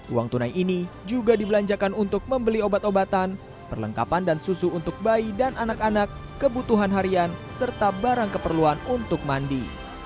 uang tunai ini juga dibelanjakan untuk membeli obat obatan perlengkapan dan susu untuk bayi dan anak anak kebutuhan harian serta barang keperluan untuk mandi